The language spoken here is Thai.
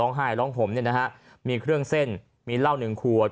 หายร้องห่มเนี่ยนะฮะมีเครื่องเส้นมีเหล้าหนึ่งขวด